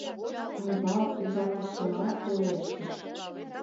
Ава ужатышыла пелештыш: